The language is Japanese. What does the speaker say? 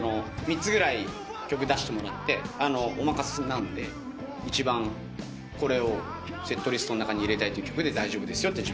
３つぐらい曲出してもらってお任せなんで一番これをセットリストの中に入れたいって曲で大丈夫ですよって自分は返して。